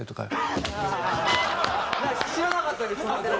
知らなかったです。